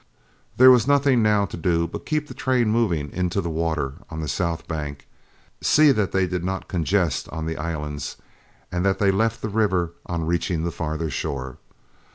There was nothing now to do but keep the train moving into the water on the south bank, see that they did not congest on the islands, and that they left the river on reaching the farther shore.